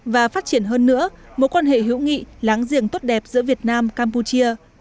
và phát triển hơn nữa mối quan hệ hữu nghị láng giềng tốt đẹp giữa việt nam campuchia